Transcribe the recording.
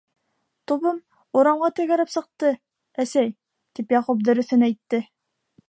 - Тубым урамға тәгәрәп сыҡты, әсәй, - тип, Яҡуп дөрөҫөн әйтте.